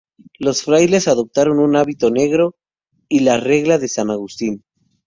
Los frailes adoptaron un hábito negro y la Regla de san Agustín.